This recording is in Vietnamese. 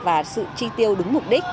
và sự chi tiêu đúng mục đích